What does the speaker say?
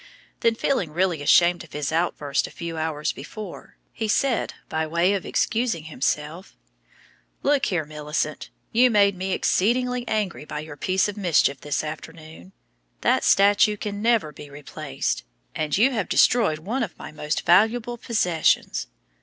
Then feeling really ashamed of his outburst a few hours before, he said, by way of excusing himself, "Look here, Millicent, you made me exceedingly angry by your piece of mischief this afternoon. That statue can never be replaced, and you have destroyed one of my most valuable possessions.